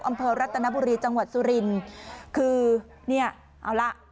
อำเภอรัตนบุรีจังหวัดสุรินทร์คือเนี่ยเอาล่ะ